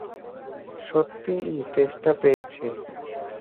সত্যিই তেষ্টা পেয়েছে।